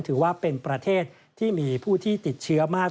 ถือว่าเป็นประเทศที่มีผู้ที่ติดเชื้อมาก